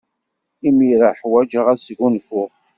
Imir-a, ḥwajeɣ ad sgunfuɣ.